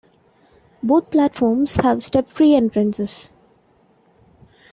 Both platforms have step-free entrances.